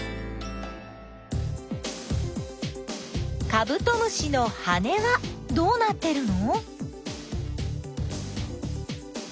カブトムシの羽はどうなってるの？